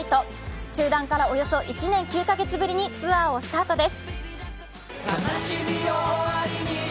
中断からおよそ１年９カ月ぶりにツアーをスタートです。